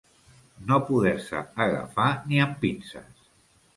No poder-se agafar ni amb pinces.